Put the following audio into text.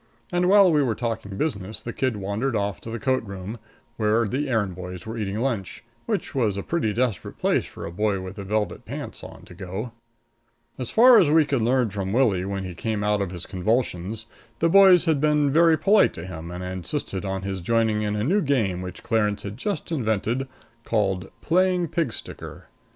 And while we were talking business, the kid wandered off to the coat room, where the errand boys were eating lunch, which was a pretty desperate place for a boy with velvet pants on to go. [Illustration: "Clarence looked to me like another of his father's bad breaks."] As far as we could learn from Willie when he came out of his convulsions, the boys had been very polite to him and had insisted on his joining in a new game which Clarence had just invented, called playing pig sticker.